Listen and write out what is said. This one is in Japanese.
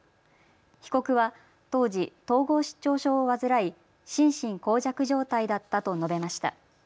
被告は当時、統合失調症を患い心神耗弱状態だったと述べました。